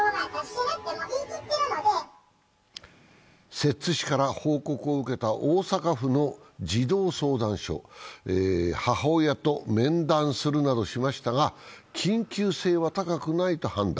摂津市から報告を受けた大阪府の児童相談所、母親と面談するなどしましたが緊急性は高くないと判断。